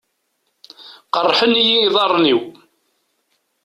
Qerrḥen-iyi iḍarren-iw.